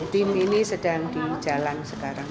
dim ini sedang di jalan sekarang